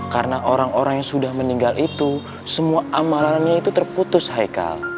karena orang orang yang sudah meninggal itu semua amalannya itu terputus haikal